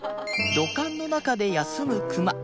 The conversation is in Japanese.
土管の中で休むクマ